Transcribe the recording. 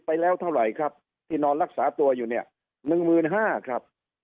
ไปแล้วเท่าไรครับที่นอนรักษาตัวอยู่เนี่ยหนึ่งหมื่นห้าครับ